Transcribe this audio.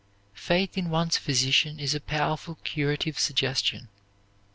Faith in one's physician is a powerful curative suggestion.